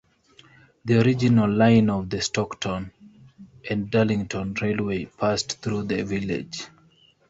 The original line of the Stockton and Darlington Railway passed through the village.